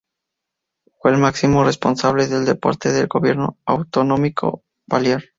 Fue el máximo responsable del deporte del gobierno autonómico balear.